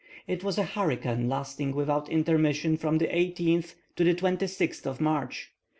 It was a hurricane lasting without intermission from the 18th to the 26th of March.